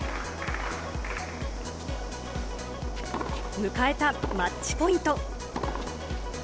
迎えたマッチポイント。